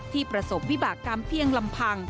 ที่ประสบวิบากการเพียงลำพัง